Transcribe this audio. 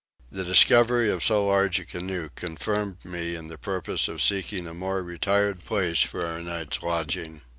The discovery of so large a canoe confirmed me in the purpose of seeking a more retired place for our night's lodging.